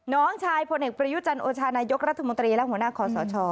น้องชายภงเอกปริหวิตจันต์โอชานายุครัฐมนตรีหรือหัวหน้าของสช